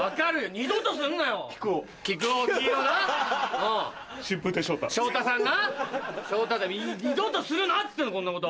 二度とするなっつってんのこんなこと！